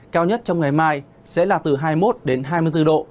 cao nhất trong ngày mai sẽ là từ hai mươi một đến hai mươi bốn độ